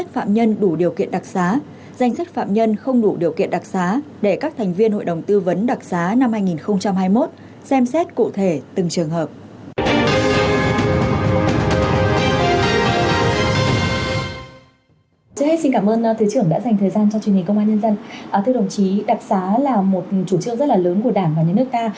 thưa đồng chí đặc sá là một chủ trương rất là lớn của đảng và nhà nước ta